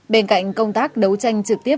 bên cạnh công tác đấu tranh trực tiếp